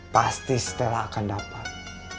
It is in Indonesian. pasti stella akan dapat